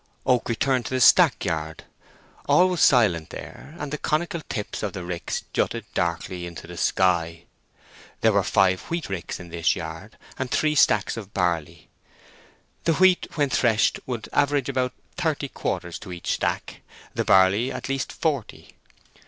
Oak returned to the stack yard. All was silent here, and the conical tips of the ricks jutted darkly into the sky. There were five wheat ricks in this yard, and three stacks of barley. The wheat when threshed would average about thirty quarters to each stack; the barley, at least forty.